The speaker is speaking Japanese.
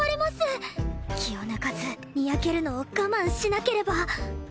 気を抜かずにやけるのを我慢しなければ